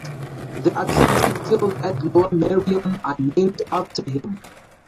The athletic fields at Lower Merion are named after him.